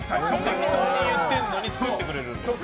適当に言ってるのに作ってくれる。